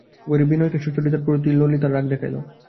ঘরে বিনয়কে বসিয়া থাকিতে দেখিয়া সুচরিতার প্রতি ললিতার রাগ হইল।